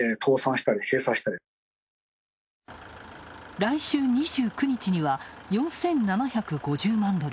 来週２９日には、４７５０万ドル